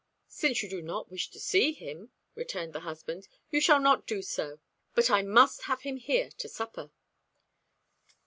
"Since you do not wish to see him," returned the husband, "you shall not do so, but I must have him here to supper."